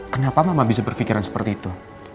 kenapa mama bisa berpikiran seperti itu